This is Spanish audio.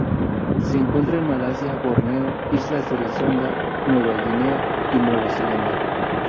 Se encuentra en Malasia, Borneo, islas de la Sonda, Nueva Guinea y Nueva Zelanda.